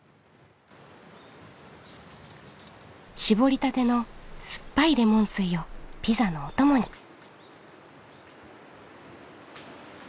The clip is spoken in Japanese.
搾りたての酸っぱいレモン水をピザのお供に。